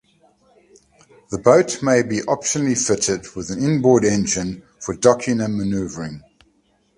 The boat may be optionally fitted with an inboard engine for docking and maneuvering.